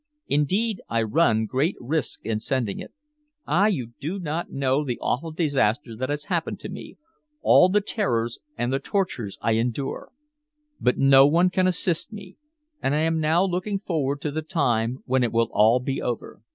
Indeed, I run great risks in sending it. Ah! you do not know the awful disaster that has happened to me, all the terrors and the tortures I endure. But no one can assist me, and I am now looking forward to the time when it will all be over.